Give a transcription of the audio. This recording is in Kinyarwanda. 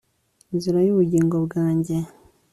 inzira y'ubugingo bwanjye